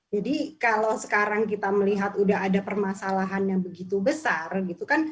jadi kalau sekarang kita melihat sudah ada permasalahan yang begitu besar gitu kan